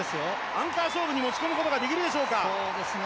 アンカー勝負に持ち込むことができるでしょうか。